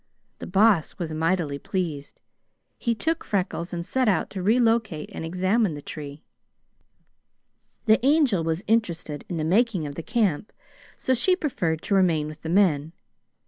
The Boss was mightily pleased. He took Freckles and set out to re locate and examine the tree. The Angel was interested in the making of the camp, so she preferred to remain with the men.